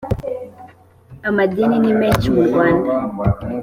amadini nimeshi mu rwanda.